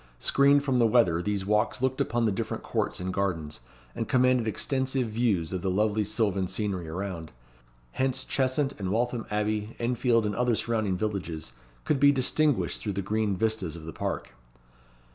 Screened from the weather, these walks looked upon the different courts and gardens, and commanded extensive views of the lovely sylvan scenery around. Hence Cheshunt and Waltham Abbey, Enfield, and other surrounding villages, could be distinguished through the green vistas of the park.